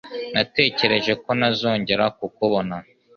Natekereje ko ntazongera kukubona.